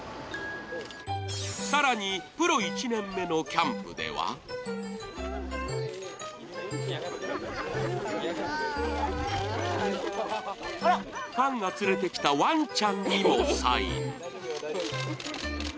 更に、プロ１年目のキャンプではファンが連れてきたワンちゃんにもサイン。